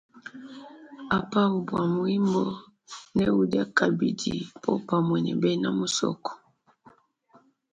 Apa, ubwa wimbo ne uja kabidi popamwe we bena musoko.